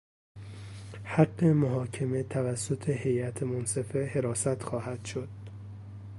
حق محاکمه توسط هیئت منصفه حراست خواهد شد.